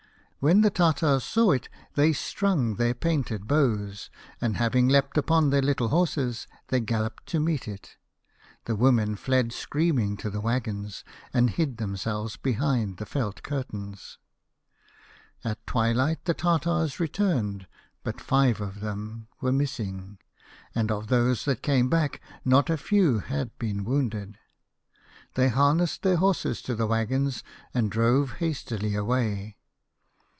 When the Tartars saw it, they strung their painted bows, and 5 having leapt upon their little horses they galloped to meet it. The women dec! screaming to the waggons, and hid themselves behind the felt curtains. " At twilight the Tartars returned, but dve of them were A House of Pomegranates. missing, and of those that came back not a few had been wounded. They harnessed their horses to the waggons and drove hastily away.